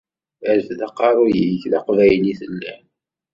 Rfed aqeṛṛu-yik d aqbayli i telliḍ.